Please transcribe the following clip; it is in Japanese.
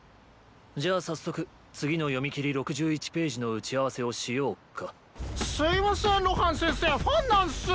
じゃあさっそく次の「読み切り」６１ページの打ち合わせをしよおっか！スイませーん露伴先生ファンなんスぅーッ。